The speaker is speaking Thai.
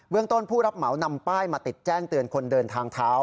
เรื่องต้นผู้รับเหมานำป้ายมาติดแจ้งเตือนคนเดินทางเท้า